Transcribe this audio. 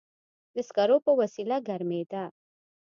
د سکرو په وسیله ګرمېده.